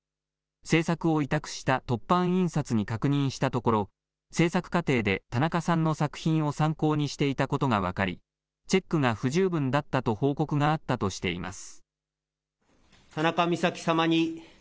制作を委託した凸版印刷に確認したところ制作過程でたなかさんの作品を参考にしていたことが分かりチェックが不十分だったと報告があったとしています。